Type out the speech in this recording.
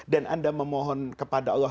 dan anda memohon kepada allah